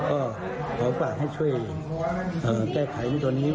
ก็ขอฝากให้ช่วยแก้ไขในตอนนี้